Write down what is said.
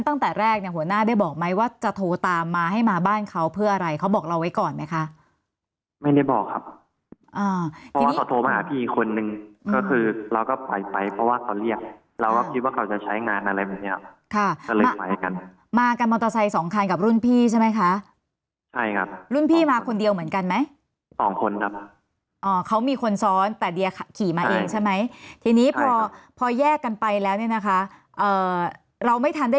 ตั้งแต่แรกเนี่ยหัวหน้าได้บอกไหมว่าจะโทรตามมาให้มาบ้านเขาเพื่ออะไรเขาบอกเราไว้ก่อนไหมคะไม่ได้บอกครับอ่าเพราะว่าเขาโทรมาหาพี่อีกคนนึงก็คือเราก็ไปไปเพราะว่าเขาเรียกเราก็คิดว่าเขาจะใช้งานอะไรแบบเนี้ยค่ะก็เลยมาให้กันมากันมอเตอร์ไซสองคันกับรุ่นพี่ใช่ไหมคะใช่ครับรุ่นพี่มาคนเดียวเหมือนกันไหมสองคนครับอ่